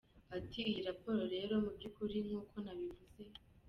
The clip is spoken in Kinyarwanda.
Ati “Iyi raporo rero muby’ukuri nk’uko nabivuze.